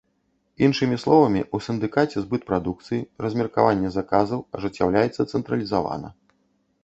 Іншымі словамі, у сіндыкаце збыт прадукцыі, размеркаванне заказаў ажыццяўляецца цэнтралізавана.